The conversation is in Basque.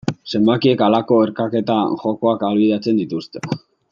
Zenbakiek halako erkaketa jokoak ahalbidetzen dituzte.